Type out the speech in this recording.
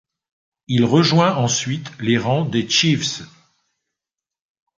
Il rejoint ensuite les rangs des Chiefs.